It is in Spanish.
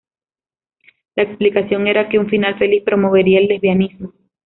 La explicación era que un final feliz promovería el lesbianismo.